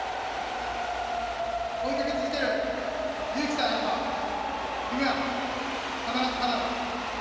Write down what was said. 追いかけ続ける勇気さえあれば夢は必ずかなう。